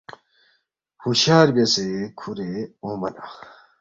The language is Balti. ہُشیار بیاسے کُھورے اونگما لہ